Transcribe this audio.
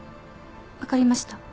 分かりました。